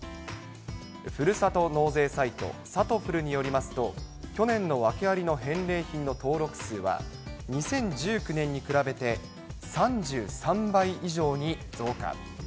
ふるさと納税サイト、さとふるによりますと、去年の訳ありの返礼品の登録数は、２０１９年に比べて３３倍以上に増加。